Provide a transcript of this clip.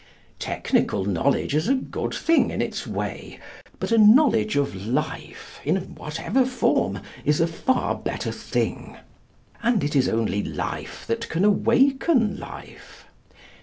Technical knowledge is a good thing in its way, but a knowledge of life, in whatever form, is a far better thing. And it is only life that can awaken life.